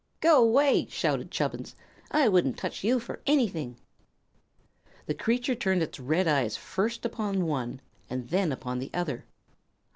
"Go 'way!" shouted Chubbins. "I wouldn't touch you for anything." The creature turned its red eyes first upon one and then upon the other.